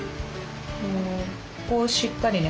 ここをしっかりね